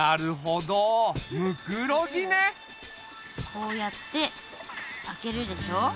こうやって開けるでしょ。